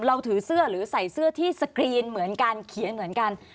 เราถือเสื้อหรือใส่เสื้อที่สกรีนเหมือนกันเขียนเหมือนกัน